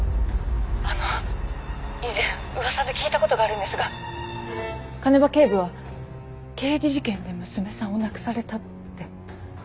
あの以前噂で聞いたことがあるんですが鐘場警部は刑事事件で娘さんを亡くされたって。